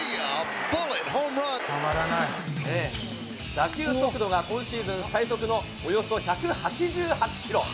打球速度が今シーズン最速のおよそ１８８キロ。